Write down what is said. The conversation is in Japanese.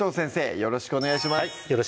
よろしくお願いします